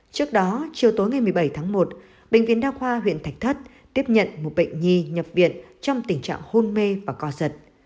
trước đó chiều tối ngày một mươi bảy tháng một bệnh viện đa khoa huyện thạch thất tiếp nhận một bệnh nhi nhập viện trong tình trạng hôn mê và co giật